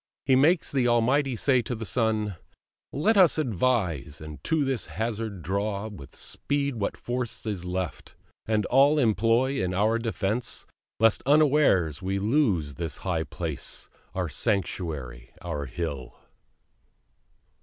He makes the Almighty say to the Son "Let us advise, and to this hazard draw With speed what force is left, and all employ In our defence, lest unawares we lose This our high place, our sanctuary, our hill."